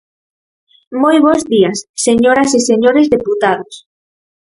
Moi bos días, señoras e señores deputados.